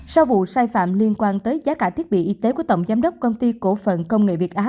sau vụ sai phạm liên quan tới giá cả thiết bị y tế của tổng giám đốc công ty cổ phần công nghệ việt á